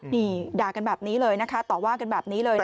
นี่ด่ากันแบบนี้เลยนะคะต่อว่ากันแบบนี้เลย